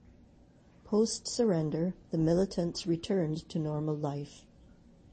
Post surrender the militants returned to normal life.